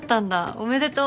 おめでとう。